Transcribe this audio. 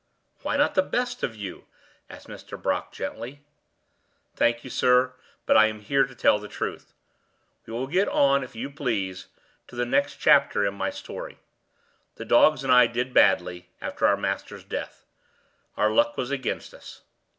"Why not the best of you?" said Mr. Brock, gently. "Thank you, sir; but I am here to tell the truth. We will get on, if you please, to the next chapter in my story. The dogs and I did badly, after our master's death; our luck was against us.